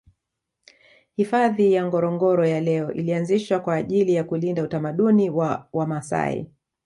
Hifadhi ya Ngorongoro ya leo ilianzishwa kwa ajili ya kulinda utamaduni wa wamaasai